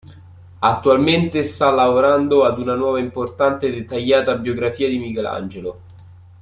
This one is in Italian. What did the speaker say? Attualmente sta lavorando ad una nuova importante e dettagliata biografia di Michelangelo.